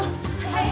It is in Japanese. はい！